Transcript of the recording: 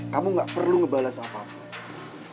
kamu gak perlu ngebalas apapun